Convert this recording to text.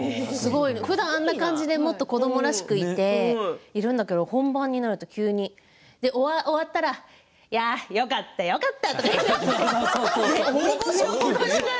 ふだんあんな感じで子どもらしくいるんだけど本番になると急に終わったらいやよかったよかったって。